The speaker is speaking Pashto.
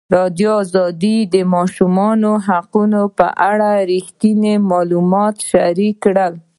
ازادي راډیو د د ماشومانو حقونه په اړه رښتیني معلومات شریک کړي.